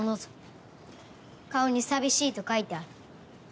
顔に寂しいと書いてある。